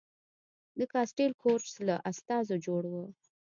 د کاسټیل کورتس له استازو جوړ و.